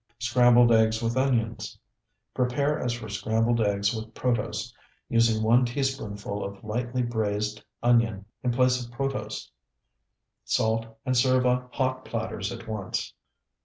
SCRAMBLED EGGS WITH ONIONS Prepare as for scrambled eggs with protose, using one teaspoonful of lightly braized onion in place of protose. Salt, and serve on hot platters at once.